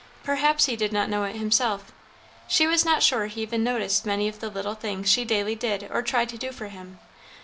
Perhaps he did not know it himself. She was not sure he even noticed many of the little things she daily did or tried to do for him.